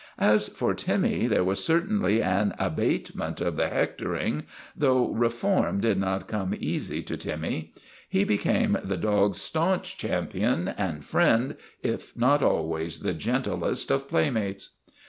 As for Timmy, there was certainly an abatement of the hectoring, though reform did not come easy to Timmy. He became the dog's staunch champion and friend if not always the gentlest of playmates.